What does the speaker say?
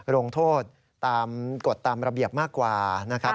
ลงโทษตามกฎตามระเบียบมากกว่านะครับ